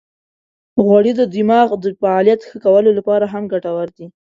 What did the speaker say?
غوړې د دماغ د فعالیت ښه کولو لپاره هم ګټورې دي.